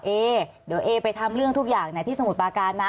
เอเดี๋ยวเอไปทำเรื่องทุกอย่างที่สมุทรปาการนะ